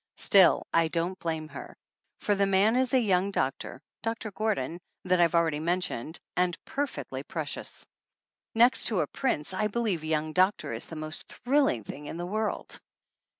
Still I don't blame her, for the man is a young doctor, Doctor Gordon that I've already men tioned, and perfectly precious. Next to a prince I believe a young doctor is the most thrill ing thing in the world